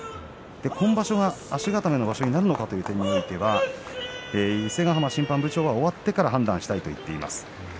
今場所が足固めの場所になるのかという点においては伊勢ヶ濱審判部長は終わってから判断したいということです。